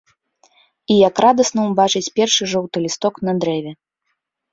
І як радасна ўбачыць першы жоўты лісток на дрэве.